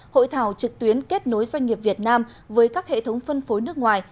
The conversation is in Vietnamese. hội thảo trực tuyến kết nối doanh nghiệp việt nam với các hệ thống phân phối nước ngoài